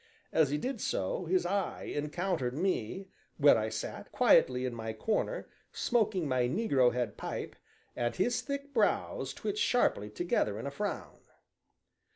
As he did so, his eye encountered me, where I sat, quietly in my corner, smoking my negro head pipe, and his thick brows twitched sharply together in a frown.